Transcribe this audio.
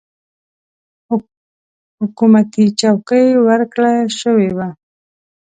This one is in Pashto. حکومتي چوکۍ ورکړه شوې وه.